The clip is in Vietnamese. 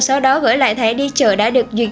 sau đó gửi lại thẻ đi chợ đã được duyệt